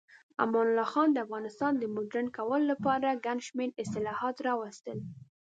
امان الله خان د افغانستان د مډرن کولو لپاره ګڼ شمیر اصلاحات راوستل.